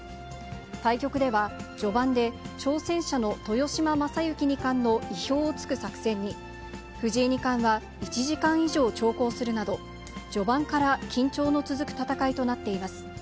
対局では序盤で挑戦者の豊島将之二冠の意表を突く作戦に、藤井二冠は１時間以上長考するなど、序盤から緊張の続く戦いとなっています。